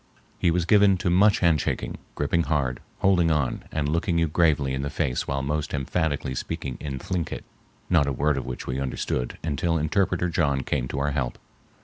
He was given to much handshaking, gripping hard, holding on and looking you gravely in the face while most emphatically speaking in Thlinkit, not a word of which we understood until interpreter John came to our help.